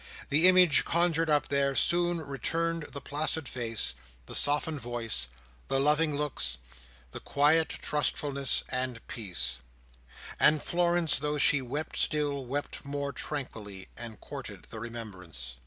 The image conjured up, there soon returned the placid face, the softened voice, the loving looks, the quiet trustfulness and peace; and Florence, though she wept still, wept more tranquilly, and courted the remembrance.